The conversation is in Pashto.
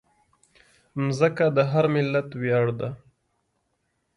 مځکه د هر ملت ویاړ ده.